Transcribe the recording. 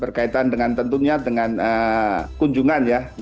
berkaitan dengan tentunya dengan kunjungan ya